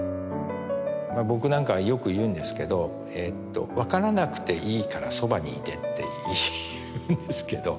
僕なんかはよく言うんですけど「分からなくていいからそばにいて」って言うんですけど。